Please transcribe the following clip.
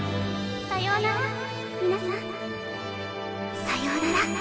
さようなら